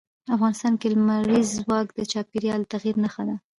افغانستان کې لمریز ځواک د چاپېریال د تغیر نښه ده.